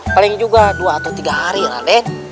paling juga dua atau tiga hari raden